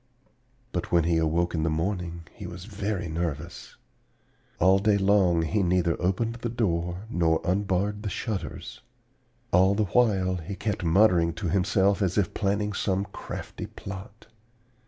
"But when he awoke in the morning he was very nervous. All day long he neither opened the door nor unbarred the shutters. All the while he kept muttering to himself as if planning some crafty plot.